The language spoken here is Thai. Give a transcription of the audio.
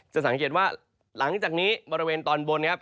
สังเกตว่าหลังจากนี้บริเวณตอนบนครับ